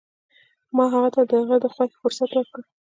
ما هغه ته د هغه د خوښې فرصت ورکړ.